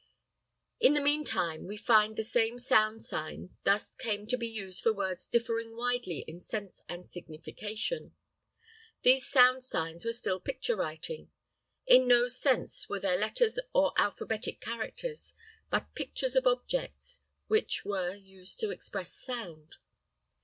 In the meantime, we find the same sound sign thus came to be used for words differing widely in sense and signification. These sound signs were still picture writing. In no sense were they letters or alphabetic characters, but pictures of objects which were used to express sound.